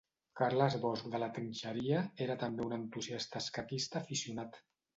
Carles Bosch de la Trinxeria era també un entusiasta escaquista aficionat.